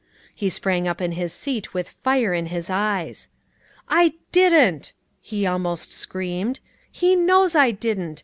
He sprang up in his seat with fire in his eyes. "I didn't!" he almost screamed. "He knows I didn't!